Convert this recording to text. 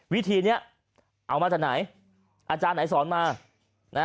วิธีนี้เอามาจากไหนอาจารย์ไหนสอนมานะ